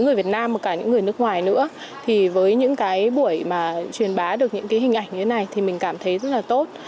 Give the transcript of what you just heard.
người việt nam mà cả những người nước ngoài nữa thì với những cái buổi mà truyền bá được những cái hình ảnh như thế này thì mình cảm thấy rất là tốt